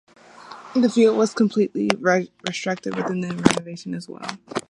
The field was completely restructured within the renovation as well.